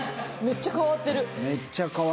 めっちゃ変わってる。